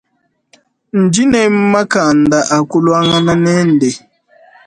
Ndi ni makanda akuluangana nende.